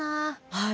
はい。